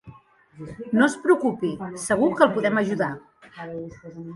No es preocupi, segur que el podem ajudar.